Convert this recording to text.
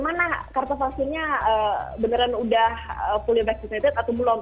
mana kartu vaksinnya beneran udah fully vaccinated atau belum